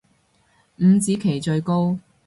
五子棋最高